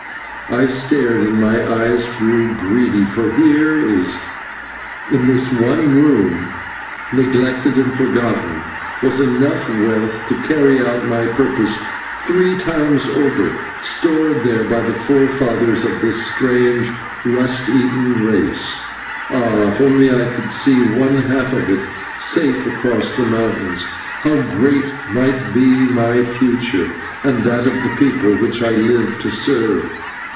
I stared and my eyes grew greedy, for here in this one room, neglected and forgotten, was enough wealth to carry out my purpose three times over, stored there by the forefathers of this strange rust eaten race. Ah, if only I could see one half of it safe across the mountains, how great might be my future and that of the people which I lived to serve.